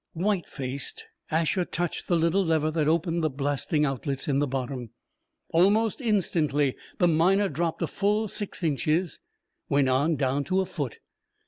White faced, Asher touched the little lever that opened the blasting outlets in the bottom. Almost instantly the Miner dropped a full six inches went on, down to a foot.